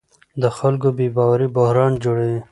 د خلکو بې باوري بحران جوړوي